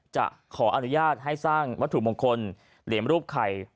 จะขออนุญาตให้สร้างวัตถุมงคลเหรียญรูปไข่